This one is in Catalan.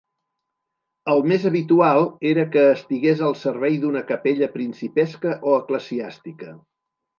El més habitual era que estigués al servei d'una capella principesca o eclesiàstica.